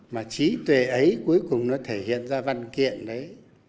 mà trí tuệ ấy cuối cùng nó thể hiện ra văn kiện đấy